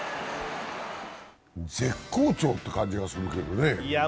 絶好調って感じがするけどね。